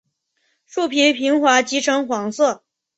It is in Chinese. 树皮平滑及呈黄色。